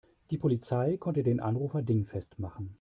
Die Polizei konnte den Anrufer dingfest machen.